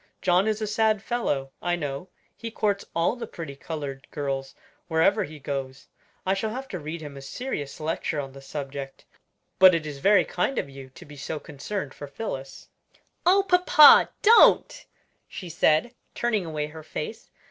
John is a sad fellow, I know; he courts all the pretty colored girls wherever he goes. I shall have to read him a serious lecture on the subject. But it is very kind of you to be so concerned for Phillis." "Oh, papa, don't!" she said, turning away her face.